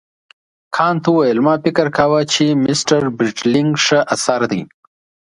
کانت وویل ما فکر کاوه چې مسټر برېټلنیګ ښه اثر دی.